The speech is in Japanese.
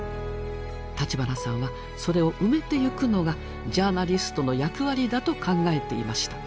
立花さんはそれを埋めていくのがジャーナリストの役割だと考えていました。